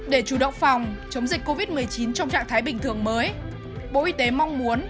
để chủ động phòng chống dịch covid một mươi chín trong trạng thái bình thường mới bộ y tế mong muốn